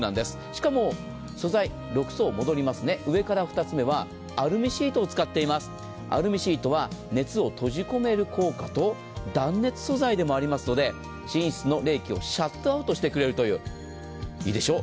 しかも素材、６層戻りますね、上から２つ目はアルミシートは熱を閉じ込める効果と断熱素材でもありますので、寝室の冷気をシャットアウトしてくれるという、いいでしょ？